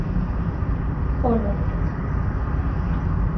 Es fundadora de la organización no gubernamental, Alianza por Venezuela.